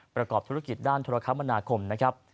ประกอบธุรกิจด้านธุรกรรมนาคมนะครับ